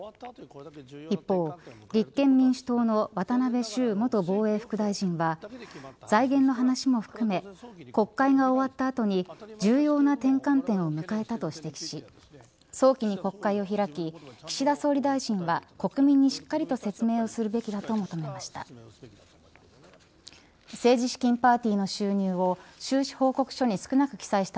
一方、立憲民主党の渡辺周元防衛副大臣は財源の話も含め国会が終わった後に重要な転換点を迎えたと指摘し早期に国会を開き岸田総理大臣には国民にしっかりと説明をするべきだと求めました。